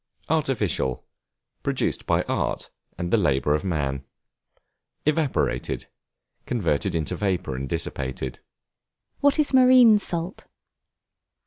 Artificial, produced by art, and the labor of man. Evaporated, converted into vapor and dissipated. What is Marine Salt?